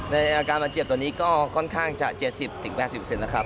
ในอาการบาดเจ็บตอนนี้ก็ค่อนข้างจะ๗๐๘๐นะครับ